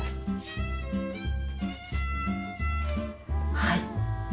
はい。